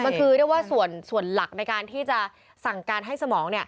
มันคือเรียกว่าส่วนหลักในการที่จะสั่งการให้สมอง